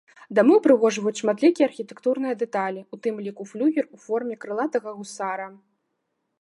Дамы ўпрыгожваюць шматлікія архітэктурныя дэталі, у тым ліку флюгер у форме крылатага гусара.